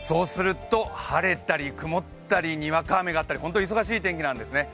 晴れたり曇ったりにわか雨があったり本当に忙しい天気なんですね。